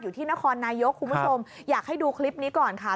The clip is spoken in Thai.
ที่นครนายกคุณผู้ชมอยากให้ดูคลิปนี้ก่อนค่ะ